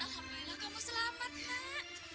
alhamdulillah kamu selamat mak